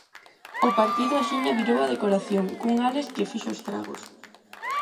O partido axiña virou a decoración, cun Álex que fixo estragos.